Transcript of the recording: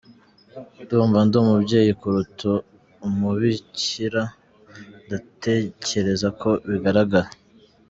Ndumva ndi umubyeyi kuruta umubikira, ndatekereza ko bigaragara.